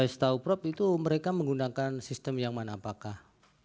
setahu prof itu mereka menggunakan sistem yang mana apakah